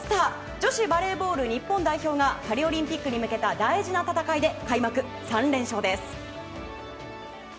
女子バレーボール日本代表がパリオリンピックに向けた大事な戦いで開幕３連勝です。